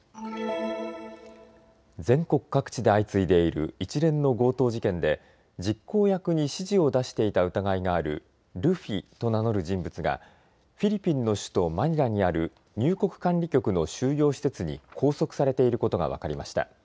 全国各地で相次いでいる一連の強盗事件で実行役に指示を出していた疑いがあるルフィと名乗る人物がフィリピンの首都マニラにある入国管理局の収容施設に拘束されていることが分かりました。